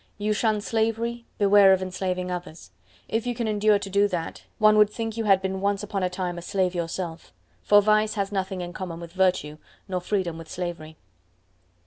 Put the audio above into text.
You shun slavery—beware of enslaving others! If you can endure to do that, one would think you had been once upon a time a slave yourself. For Vice has nothing in common with virtue, nor Freedom with slavery.